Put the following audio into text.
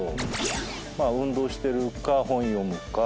運動してるか本読むか。